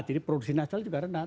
jadi produksi nasional juga rendah